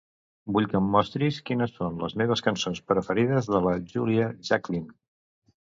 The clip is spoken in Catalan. Vull que em mostris quines són les meves cançons preferides de la Julia Jacklin.